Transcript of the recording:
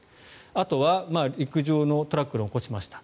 あとは陸上のトラックをどかしました